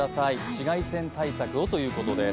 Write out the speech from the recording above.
紫外線対策をということです。